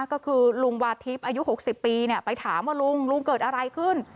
ก็คือลุงวาทิพย์อายุ๖๐ปีไปถามว่าลุงลุงเกิดอะไรขึ้น